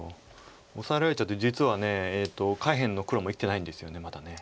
オサえられちゃうと実は下辺の黒も生きてないんですよねまだ。